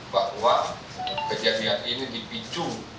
bahwa kejadian ini dipicu